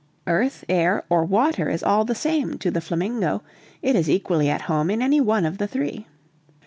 Earth, air, or water is all the same to the flamingo, it is equally at home in any one of the three."